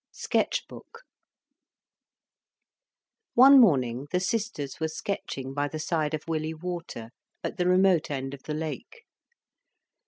SKETCH BOOK One morning the sisters were sketching by the side of Willey Water, at the remote end of the lake.